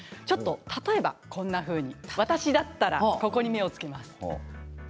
例えば、こんなふうに私だったらここに目を付けます。